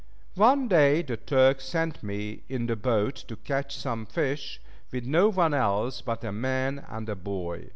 One day the Turk sent me in the boat to catch some fish, with no one else but a man and a boy.